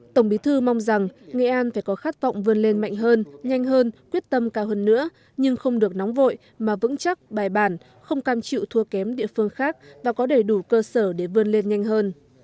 tổng bí thư mong rằng nghệ an phải có khát vọng vươn lên mạnh hơn nhanh hơn quyết tâm cao hơn nữa nhưng không được nóng vội mà vững chắc bài bản không cam chịu thua kém địa phương khác và có đầy đủ cơ sở để vươn lên nhanh hơn